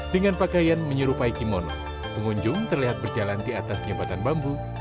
dengan pakaian menyerupai kimono pengunjung terlihat berjalan di atas jembatan bambu